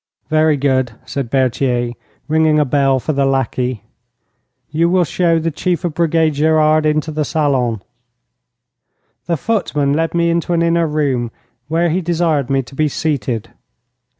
'Very good,' said Berthier, ringing a bell for the lackey. 'You will show the Chief of Brigade Gerard into the salon.' The footman led me into an inner room, where he desired me to be seated.